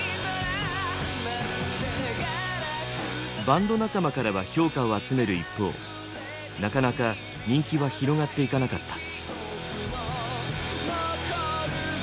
バンド仲間からは評価を集める一方なかなか人気は広がっていかなかった。